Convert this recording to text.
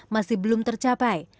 masih belum tercapai